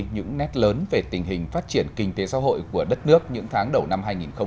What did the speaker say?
những nét lớn về tình hình phát triển kinh tế xã hội của đất nước những tháng đầu năm hai nghìn hai mươi